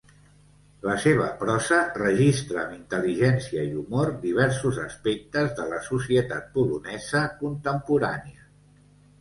La seva prosa registra amb intel·ligència i humor diversos aspectes de la societat polonesa contemporània.